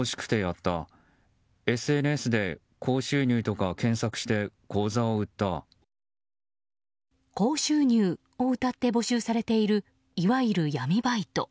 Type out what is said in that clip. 高収入をうたって募集されているいわゆる闇バイト。